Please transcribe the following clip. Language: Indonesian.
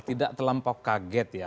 tidak terlampau kaget ya